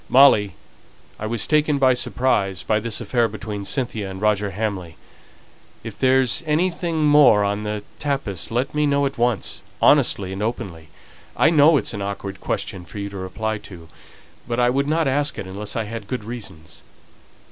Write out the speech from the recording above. "Molly, I was taken by surprise by this affair between Cynthia and Roger Hamley if there's anything more on the tapis let me know at once, honestly and openly. I know it's an awkward question for you to reply to; but I wouldn't ask it unless I had good reasons."